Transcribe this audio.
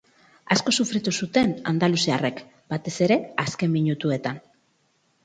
Asko sufritu zuten andaluziarrek, batez ere azken minutuetan.